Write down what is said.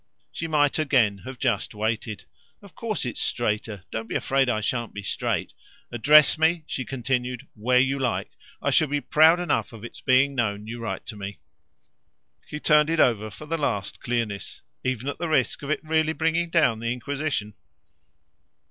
She might again have just waited. "Of course it's straighter. Don't be afraid I shan't be straight. Address me," she continued, "where you like. I shall be proud enough of its being known you write to me." He turned it over for the last clearness. "Even at the risk of its really bringing down the inquisition?"